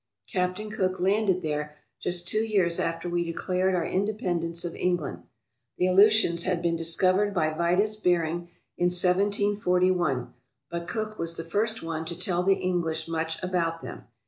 Captain Cook landed there just two years after we declared our independence of England. The Aleutians had been discovered by Vitus Bering in 1741, but Cook was the first one to tell the English much about them.